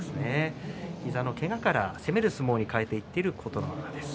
膝のけがから攻める相撲に変えていっている琴ノ若です。